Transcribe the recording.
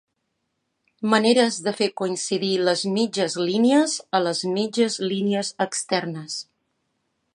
maneres de fer coincidir les mitges línies a les mitges línies externes.